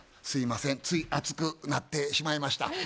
すいませんつい熱くなってしまいました。